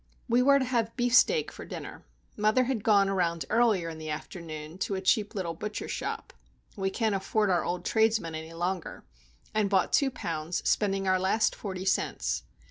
We were to have beefsteak for dinner. Mother had gone around earlier in the afternoon to a cheap little butcher shop (we can't afford our old tradesmen any longer), and bought two pounds,—spending our last forty cents.